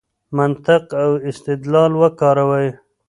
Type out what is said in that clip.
منطق او استدلال وکاروئ.